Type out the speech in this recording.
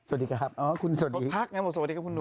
สวัสดีครับ